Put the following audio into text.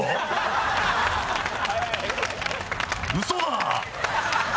嘘だ！